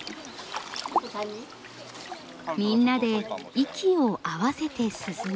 みんなで息を合わせて進む。